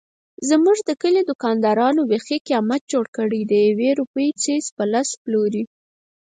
زموږ د کلي دوکاندارانو بیخي قیامت جوړ کړی دیوې روپۍ څيز په لس پلوري.